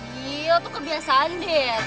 gila itu kebiasaan deh